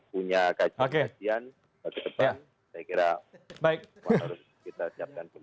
punya kajian kajian ke depan saya kira memang harus kita siapkan